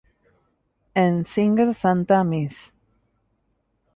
En "Single Santa Mrs.